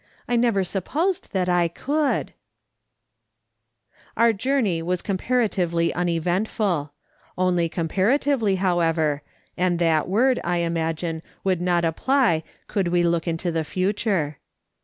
I never supposed that I could !" Our journey was comparatively uneventful ; only comparatively, however, and that word, I imagine, would not apply could we look into the future.